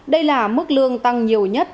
đây là mức lương tăng nhiều nhất